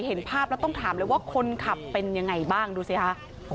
เห็นภาพแล้วต้องถามเลยว่าคนขับเป็นยังไงบ้างดูสิคะ